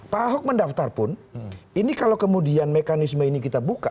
pak ahok mendaftar pun ini kalau kemudian mekanisme ini kita buka